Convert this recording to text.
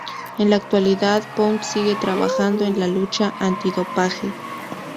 En la actualidad, Pound sigue trabajando en la lucha antidopaje.